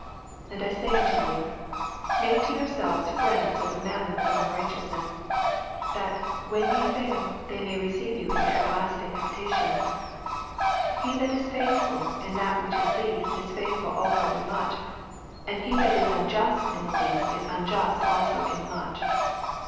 9 And 1 say unto you, Make to yourselves friends of the mammon of unrighteousness ; that, when ye fail, they may receive you into ever lasting habitations. 10 He that is faithful in that which is least is faithful also in much : and he that is unjust in the least is un just also in much.